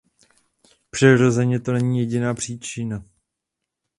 Přirozeně to není jediná příčina.